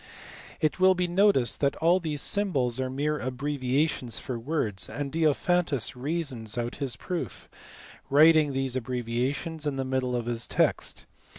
It will be noticed that all these symbols are mere abbre viations for words, and Diophantus reasons out his proofs, writing these abbreviations in the middle of his text.